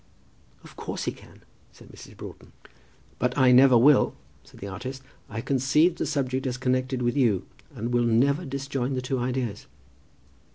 "Of course he can," said Mrs. Broughton. "But I never will," said the artist. "I conceived the subject as connected with you, and I will never disjoin the two ideas."